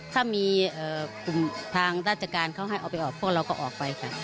ถ้ามีกลุ่มทางราชการเขาให้เอาไปออกพวกเราก็ออกไปค่ะ